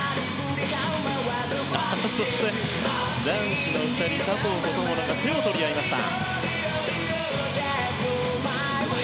男子の２人、佐藤と友野が手を取り合いました。